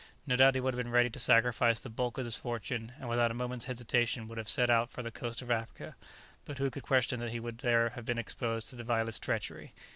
No doubt he would have been ready to sacrifice the bulk of his fortune, and without a moment's hesitation would have set out for the coast of Africa, but who could question that he would there have been exposed to the vilest treachery?